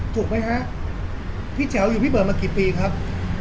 ถูกไหมฮะพี่แจ๋วอยู่พี่เบิร์ดมากี่ปีครับ